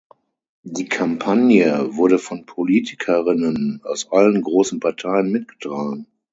Die Kampagne wurde von Politikerinnen aus allen grossen Parteien mitgetragen.